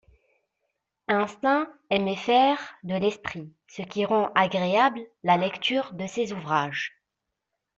Einstein aimait faire de l'esprit, ce qui rend agréable la lecture de ses ouvrages.